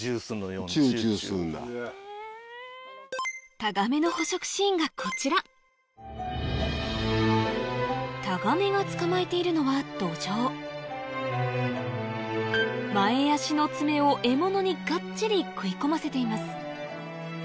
タガメの捕食シーンがこちらタガメが捕まえているのはドジョウ前足の爪を獲物にがっちり食い込ませています